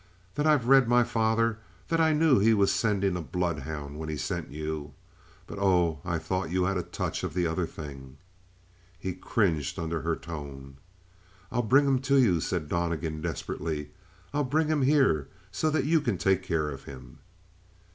"That I've read my father? That I knew he was sending a bloodhound when he sent you? But, oh, I thought you had a touch of the other thing!" He cringed under her tone. "I'll bring him to you," said Donnegan desperately. "I'll bring him here so that you can take care of him."